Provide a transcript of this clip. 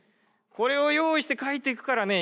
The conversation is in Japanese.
これを用意して書いていくからね